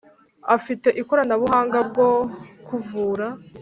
Bafite ikoranabuhanga bwo kuvura